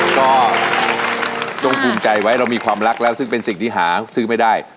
ก็จงภูมิใจไว้เรามีความรักแล้วซึ่งเป็นสิ่งที่หาซื้อไม่ได้